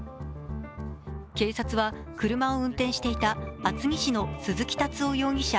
警察は車を運転していた厚木市の鈴木建容疑者